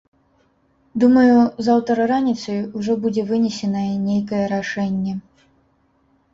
Думаю, заўтра раніцай ужо будзе вынесенае нейкае рашэнне.